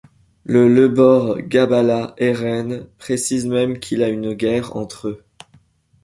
Le Lebor Gabála Érenn précise même qu'il a une guerre entre eux.